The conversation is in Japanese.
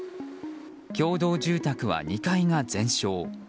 共同住宅は２階が全焼。